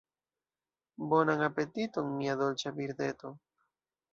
Bonan apetiton, mia dolĉa birdeto.